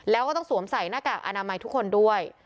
แล้วก็ต้องสวมใส่หน้ากากอนามัยทุกคนด้วย